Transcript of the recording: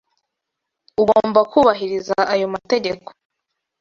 Ugomba kubahiriza ayo mategeko.